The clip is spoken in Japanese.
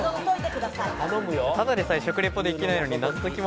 ただでさえ食レポできないのに。